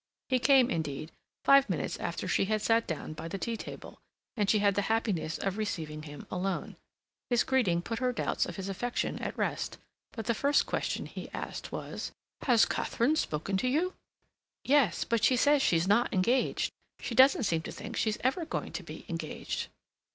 He came, indeed, five minutes after she had sat down by the tea table, and she had the happiness of receiving him alone. His greeting put her doubts of his affection at rest, but the first question he asked was: "Has Katharine spoken to you?" "Yes. But she says she's not engaged. She doesn't seem to think she's ever going to be engaged."